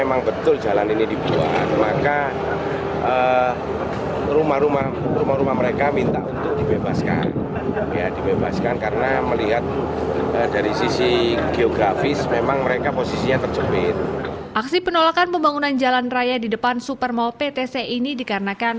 aksi penolakan pembangunan jalan raya di depan supermall ptc ini dikarenakan